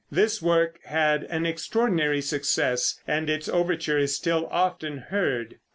This work had an extraordinary success, and its overture is still often heard.